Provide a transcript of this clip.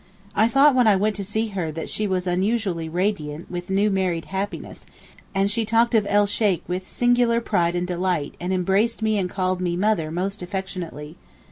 I thought when I went to see her that she was unusually radiant with new married happiness, and she talked of 'el Sheykh' with singular pride and delight, and embraced me and called me 'mother' most affectionately.